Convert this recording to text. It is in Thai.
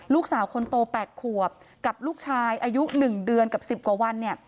ลูกสาวคนโต๘ขวบกับลูกชายอายุ๑เดือนกับ๑๐กว่าวัน